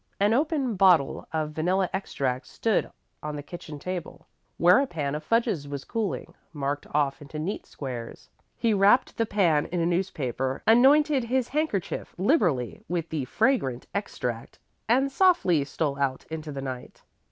An open bottle of vanilla extract stood on the kitchen table, where a pan of fudges was cooling, marked off into neat squares. He wrapped the pan in a newspaper, anointed his handkerchief liberally with the fragrant extract, and softly stole out into the night.